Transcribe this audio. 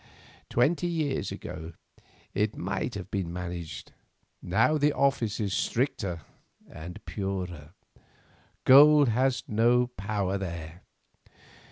Twenty years ago it might have been managed, now the Office is stricter and purer. Gold has no power there.